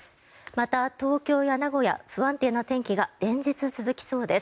また、東京や名古屋不安定な天気が連日続きそうです。